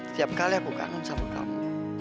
setiap kali aku kangen sama kamu